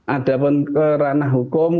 ada pun ranah hukum